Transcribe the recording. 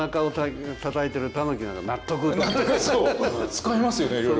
使えますよねいろいろ。